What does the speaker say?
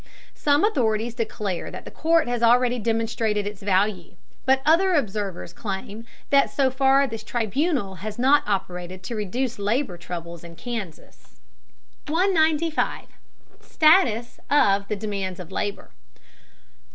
Some authorities declare that the court has already demonstrated its value, but other observers claim that so far this tribunal has not operated to reduce labor troubles in Kansas. 195. STATUS OF THE DEMANDS OF LABOR.